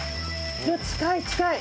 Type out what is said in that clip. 近い、近い。